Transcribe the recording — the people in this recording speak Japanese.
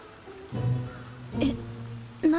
えっ何？